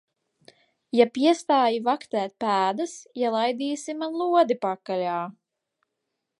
Ja piestāji vaktēt pēdas, ielaidīsi man lodi pakaļā.